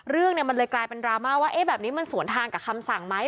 เรื่องมันเลยกลายเป็นดราม่าว่าแบบนี้มันสวนทางกับคำสั่งไหม